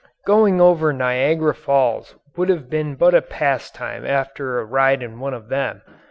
Going over Niagara Falls would have been but a pastime after a ride in one of them.